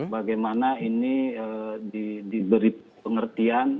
bagaimana ini diberi pengertian